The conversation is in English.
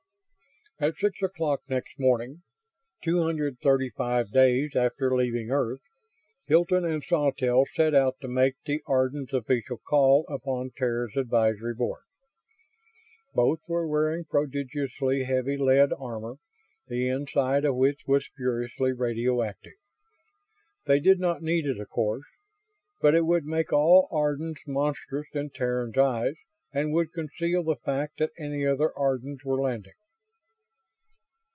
At six o'clock next morning, two hundred thirty five days after leaving Earth, Hilton and Sawtelle set out to make the Ardans' official call upon Terra's Advisory Board. Both were wearing prodigiously heavy lead armor, the inside of which was furiously radioactive. They did not need it, of course. But it would make all Ardans monstrous in Terran eyes and would conceal the fact that any other Ardans were landing.